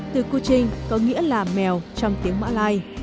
từ kuching có nghĩa là mèo trong tiếng mã lai